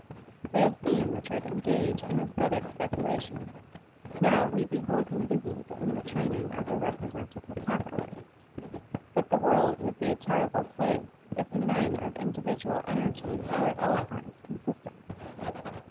We have seen Richard engaged in asthetic speculation; now we behold him busied in the training of a representative capitalist. But the world would be a terrible place if the men of individual energy were at all times consistent.